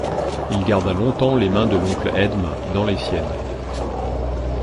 Il garda longtemps les mains de l'oncle Edme dans les siennes.